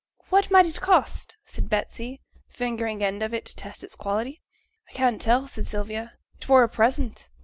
'What might it cost?' said Betsy, fingering an end of it to test its quality. 'I can't tell,' said Sylvia, 'it were a present.'